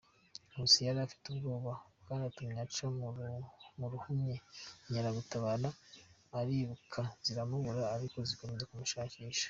Nkusi yari afite ubwoba bwanatumye aca mu rihumye Inkeragutabara ariruka ziramubura ariko zikomeza kumushakisha.